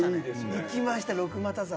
いきました六股皿。